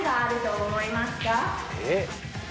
えっ？